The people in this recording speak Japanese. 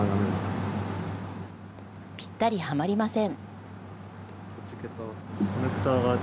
ぴったりはまりません。